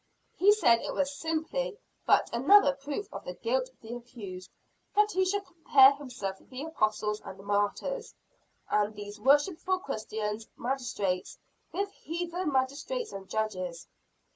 He said it was simply but another proof of the guilt of the accused, that he should compare himself with the apostles and the martyrs; and these worshipful Christian magistrates with heathen magistrates and judges.